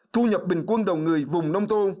thu nhập bình quân đầu người vùng nông thôn